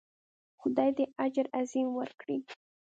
خدای دې اجر عظیم ورکړي.